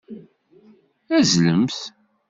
Azzlemt!